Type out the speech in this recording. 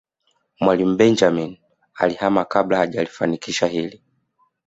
mwalimu benjamini alihama kabla hajalifanikisha hili